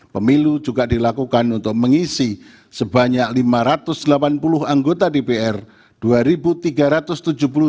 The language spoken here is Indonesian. pemilu juga dilakukan untuk mengisi sebanyak lima ratus delapan puluh anggota dpr dua tiga ratus tujuh puluh dua kursi anggota dpr di provinsi